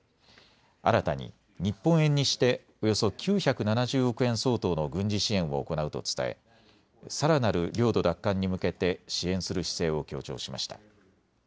新たに日本円にしておよそ９７０億円相当の軍事支援を行うと伝えさらなる領土奪還に向けて支援する姿勢を強調しました。